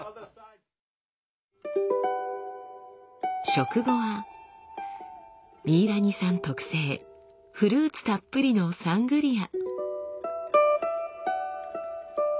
食後はミイラニさん特製フルーツたっぷりのサングリア。